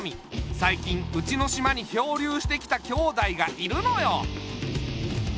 さいきんうちの島に漂流してきた兄妹がいるのよ。